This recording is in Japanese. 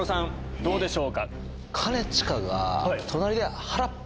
どうでしょう？